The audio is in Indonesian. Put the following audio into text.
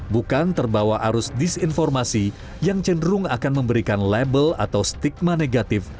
bukan terbawa arus disinformasi yang cenderung akan memberikan label atau stigma negatif